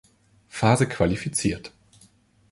Phase qualifiziert.